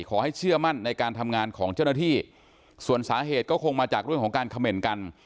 เชื่อมั่นในการทำงานของเจ้าหน้าที่ส่วนสาเหตุก็คงมาจากเรื่องของการเขม่นกัน